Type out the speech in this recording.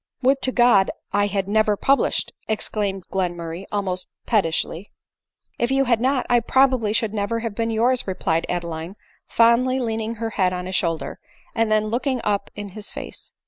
" Would to God I had never published !" exclaimed Glenmurray, almost pettishly. " If you had not, 1 probably should never have been yours," replied Adeline, fondly leaning her head on his shoulder, and then looking up in his face.